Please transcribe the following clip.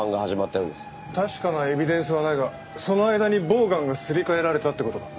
確かなエビデンスはないがその間にボウガンがすり替えられたって事か。